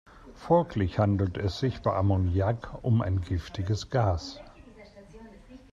Folglich handelt es sich bei Ammoniak um ein giftiges Gas.